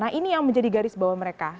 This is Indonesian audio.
nah ini yang menjadi garis bawah mereka